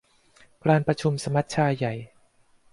การประชุมสมัชชาใหญ่